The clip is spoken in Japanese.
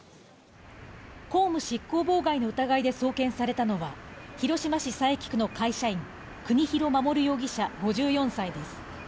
公務執行妨害の疑いで送検されたのは、広島市佐伯区の会社員・国広守容疑者、５４歳です。